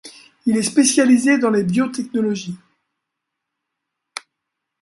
Il est spécialisé dans les biotechnologies.